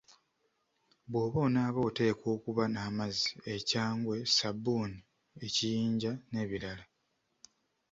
Bw'oba onaaba oteekwa okuba n'amazzi, ekyangwe, ssabbuni, ekiyinja n'ebirala.